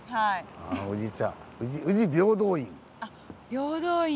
平等院！